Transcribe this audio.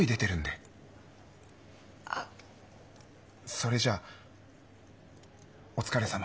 それじゃお疲れさま。